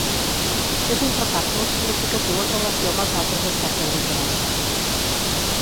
És un retard molt significatiu en relació amb els altres estats europeus.